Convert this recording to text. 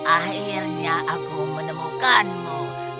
akhirnya aku menemukanmu